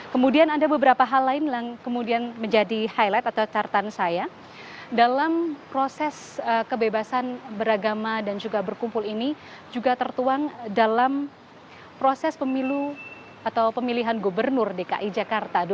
kemudian ada beberapa hal lain yang kemudian menjadi highlight atau tartan saya dalam proses kebebasan beragama dan juga berkumpul ini juga tertuang dalam proses pemilu atau pemilihan gubernur dki jakarta dua ribu tujuh belas